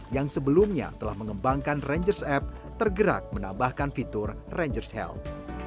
yang sebelumnya telah mengembangkan rangers app tergerak menambahkan fitur rangers health